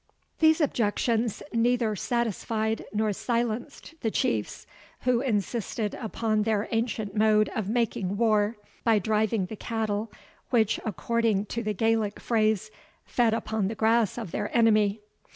These objections neither satisfied nor silenced the Chiefs, who insisted upon their ancient mode of making war, by driving the cattle, which, according to the Gaelic phrase, "fed upon the grass of their enemy."